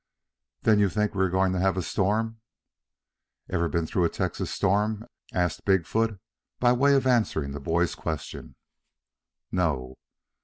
"Then you think we are going to have a storm?" "Ever been through a Texas storm?" asked Big foot by way of answering the boy's question. "No."